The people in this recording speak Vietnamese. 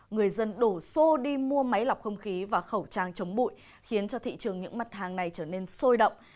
người dân đổ xô đi mua máy lọc không khí và khẩu trang chống bụi khiến thị trường những mặt hàng này trở nên sôi động